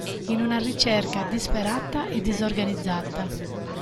In una ricerca disperata e disorganizzata.